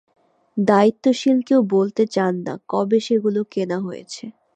দায়িত্বশীল কেউ বলতে চান না কবে সেগুলো কেনা হয়েছে।